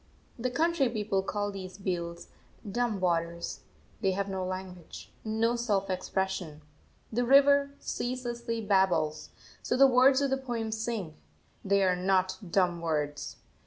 The country people call these beels "dumb waters" they have no language, no self expression. The river ceaselessly babbles; so the words of the poem sing, they are not "dumb words."